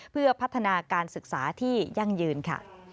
เพื่อพัฒนาการศึกษาที่ยั่งยืนค่ะ